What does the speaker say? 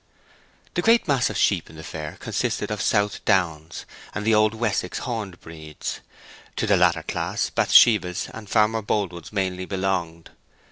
The great mass of sheep in the fair consisted of South Downs and the old Wessex horned breeds; to the latter class Bathsheba's and Farmer Boldwood's mainly belonged.